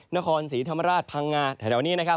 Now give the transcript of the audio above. นครศรีธรรมราชพังงาแถวนี้นะครับ